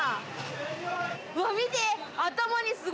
うわ見て。